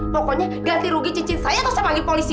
pokoknya ganti rugi cicit saya atau saya panggil polisi